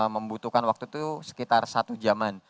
membutuhkan waktu itu sekitar satu jam an